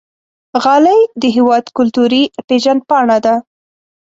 غالۍ د هېواد کلتوري پیژند پاڼه ده.